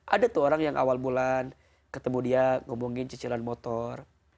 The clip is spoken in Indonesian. ada tuh orang yang awal bulan ketemu dia ngomongin cicilan motor